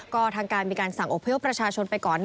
ก็ทางการมีการสั่งอบพยพประชาชนไปก่อน